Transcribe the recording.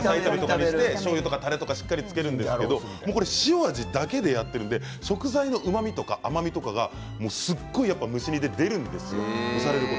しょうゆとかたれとかしっかりつけるんですけれど、塩味だけでできるので食材のうまみとか甘みとかすごく蒸し煮で出るんです。